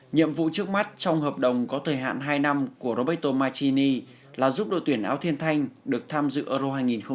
nhiệm vụ trước mắt trong hợp đồng có thời hạn hai năm của roberto machini là giúp đội tuyển áo thiên thanh được tham dự euro hai nghìn hai mươi